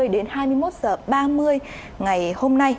đến hai mươi một h ba mươi ngày hôm nay